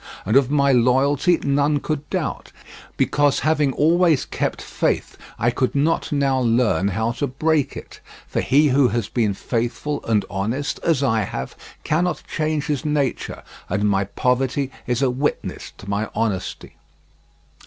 And of my loyalty none could doubt, because having always kept faith I could not now learn how to break it; for he who has been faithful and honest, as I have, cannot change his nature; and my poverty is a witness to my honesty."